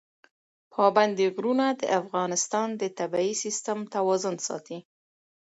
پابندي غرونه د افغانستان د طبعي سیسټم توازن ساتي.